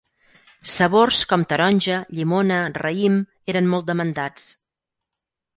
Sabors com taronja, llimona, raïm eren molt demandats.